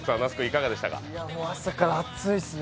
朝から熱いっすね。